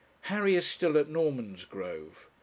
Harry is still at Normansgrove.